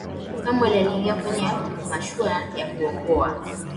samwel aliingia kwenye mashua ya kuokoa